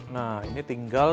nah ini tinggal